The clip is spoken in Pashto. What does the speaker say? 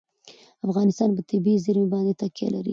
افغانستان په طبیعي زیرمې باندې تکیه لري.